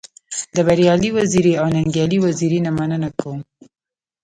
د بريالي وزيري او ننګيالي وزيري نه مننه کوم.